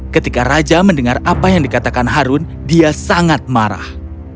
ketika raja mendengar apa yang dikatakan harun dia sangat marah